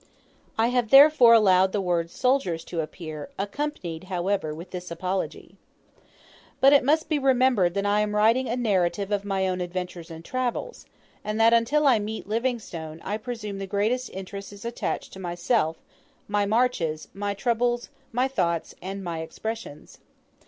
I have therefore allowed the word "soldiers" to appear, accompanied, however, with this apology. But it must be remembered that I am writing a narrative of my own adventures and travels, and that until I meet Livingstone, I presume the greatest interest is attached to myself, my marches, my troubles, my thoughts, and my impressions.